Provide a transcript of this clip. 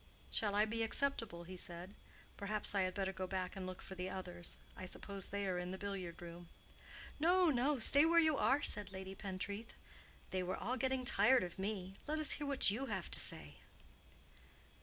"Shall I be acceptable?" he said. "Perhaps I had better go back and look for the others. I suppose they are in the billiard room." "No, no; stay where you are," said Lady Pentreath. "They were all getting tired of me; let us hear what you have to say."